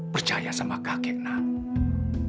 percaya sama kakek nad